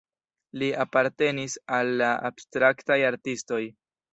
Li apartenis al la abstraktaj artistoj.